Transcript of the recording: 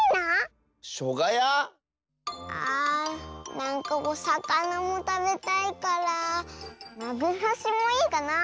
なんかおさかなもたべたいから「まぐさし」もいいかなあ。